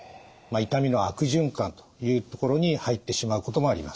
痛みの悪循環というところに入ってしまうこともあります。